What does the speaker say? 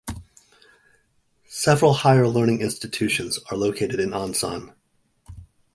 Several higher learning institutions are located in Ansan.